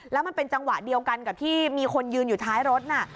แล้วมันเป็นจังหวะเดียวกันกับที่มีคนยืนอยู่ท้ายรถน่ะ